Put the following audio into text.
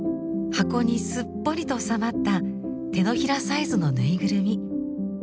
箱にすっぽりとおさまった手のひらサイズのぬいぐるみ。